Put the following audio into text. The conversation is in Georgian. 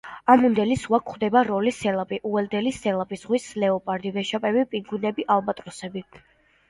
ამუნდსენის ზღვა გვხვდება როსის სელაპი, უედელის სელაპი, ზღვის ლეოპარდი, ვეშაპები, პინგვინები, ალბატროსები.